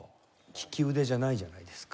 きき腕じゃないじゃないですか。